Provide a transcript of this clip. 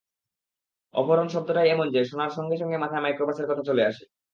অপহরণ শব্দটাই এমন যে, শোনার সঙ্গে সঙ্গে মাথায় মাইক্রোবাসের কথা চলে আসে।